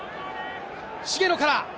茂野から。